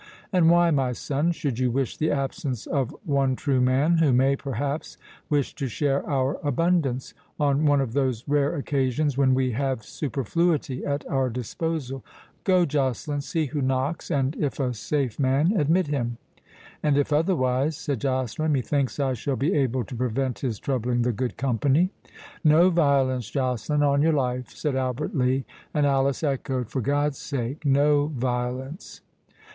"And why, my son, should you wish the absence of one true man, who may, perhaps, wish to share our abundance, on one of those rare occasions when we have superfluity at our disposal?—Go, Joceline, see who knocks—and, if a safe man, admit him." "And if otherwise," said Joceline, "methinks I shall be able to prevent his troubling the good company." "No violence, Joceline, on your life," said Albert Lee; and Alice echoed, "For God's sake, no violence!"